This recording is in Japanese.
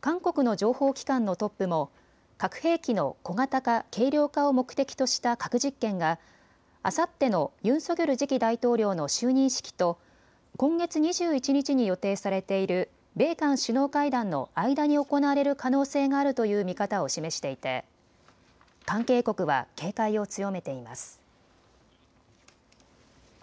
韓国の情報機関のトップも核兵器の小型化・軽量化を目的とした核実験があさってのユン・ソギョル次期大統領の就任式と今月２１日に予定されている米韓首脳会談の間に行われる可能性があるという見方を示していて関係国は警戒を強めています。